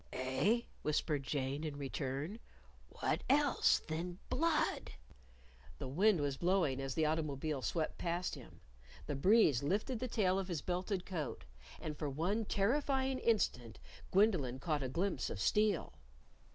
"Eh?" whispered Jane in return; "what else than blood?" The wind was blowing as the automobile swept past him: The breeze lifted the tail of his belted coat. And for one terrifying instant Gwendolyn caught a glimpse of steel!